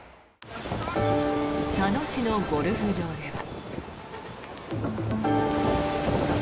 佐野市のゴルフ場では。